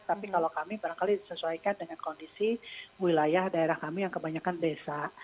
tapi kalau kami barangkali disesuaikan dengan kondisi wilayah daerah kami yang kebanyakan desa